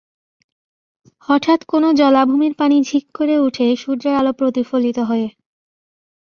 হঠাৎ কোনো জলাভূমির পানি ঝিক করে ওঠে সূর্যের আলো প্রতিফলিত হয়ে।